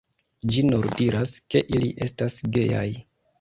Ĝi nur diras, ke ili estas gejaj.